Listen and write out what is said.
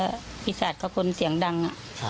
และภิสัทธิ์ก็คลุมเสียงดัง